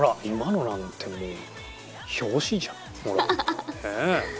今のなんてもう表紙じゃん。